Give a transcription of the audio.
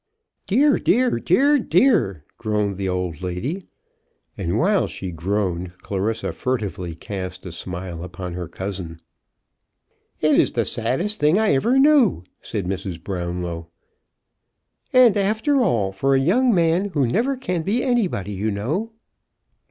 "Dear, dear, dear, dear!" groaned the old lady. And while she groaned Clarissa furtively cast a smile upon her cousin. "It is the saddest thing I ever knew," said Mrs. Brownlow. "And, after all, for a young man who never can be anybody, you know."